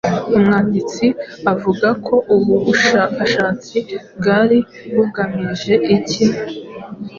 Umwanditsi avuga ko ubu bushakashatsi bwari bugamije iki?